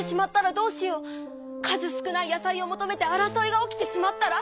数少ない野菜を求めて争いが起きてしまったら？